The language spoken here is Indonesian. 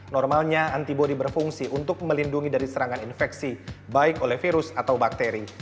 normalnya antibody berfungsi untuk melindungi dari serangan infeksi baik oleh virus atau bakteri